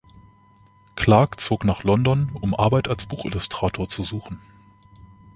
Clarke zog nach London, um Arbeit als Buchillustrator zu suchen.